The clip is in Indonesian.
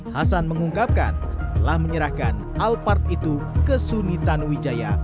hasan mengungkapkan telah menyerahkan alpard itu ke suni tanuwijaya